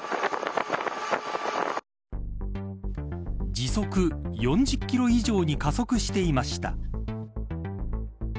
時速４０キロ以上に加速していました。